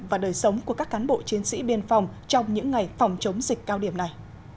và đời sống của các cán bộ chiến sĩ biên phòng trong những ngày phòng chống dịch cao điểm này